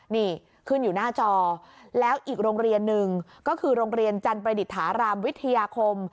นี่ขึ้นอยู่หน้าจอแล้วอีกโรงเรียนหนึ่งก็คือโรงเรียนจันประดิษฐารามวิทยาคม